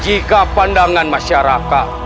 jika pandangan masyarakat